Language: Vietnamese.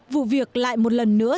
vụ việc lại một lần nữa